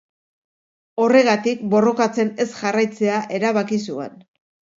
Horregatik borrokatzen ez jarraitzea erabaki zuen.